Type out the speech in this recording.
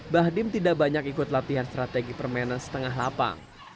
bahdim tidak banyak ikut latihan strategi permainan setengah lapang